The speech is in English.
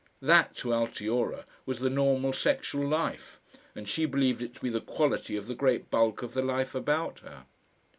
That to Altiora was the normal sexual life, and she believed it to be the quality of the great bulk of the life about her.